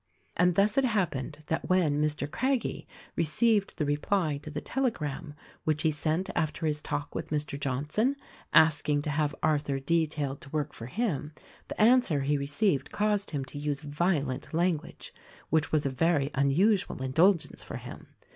And thus it happened that when Mr. Craggie received the reply to the telegram which he sent after his talk with Mr. Johnson— asking to have Arthur detailed to work for him,— the answer he received caused him to use violent language (which was a very unusual indulgence for him).